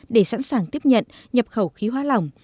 để sẵn sàng tiếp nhận nhập khẩu khí hoa lỏng